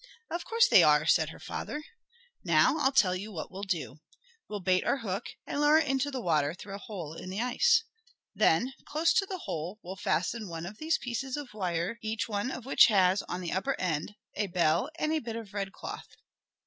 "Of course they are" said her father. "Now I'll tell you what we'll do. We'll bait our hook, and lower it into the water through a hole in the ice. Then, close to the hole, we'll fasten one of these pieces of wire each one of which has, on the upper end, a bell and a bit of red cloth.